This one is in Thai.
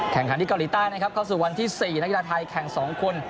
ที่เกาหลีใต้นะครับเข้าสู่วันที่๔นักกีฬาไทยแข่ง๒คน